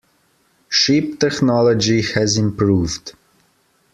Ship technology has improved.